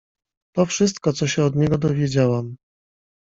"To wszystko, co się od niego dowiedziałam."